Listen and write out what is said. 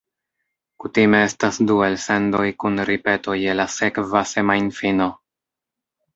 Kutime estas du elsendoj kun ripeto je la sekva semajnfino.